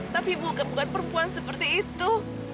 tapi bukan perempuan seperti itu